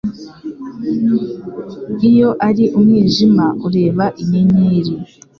Iyo ari umwijima ureba inyenyeri.